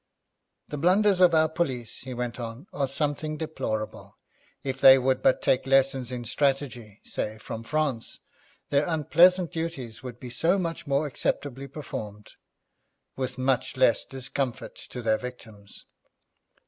'The blunders of our police', he went on, 'are something deplorable. If they would but take lessons in strategy, say, from France, their unpleasant duties would be so much more acceptably performed, with much less discomfort to their victims.'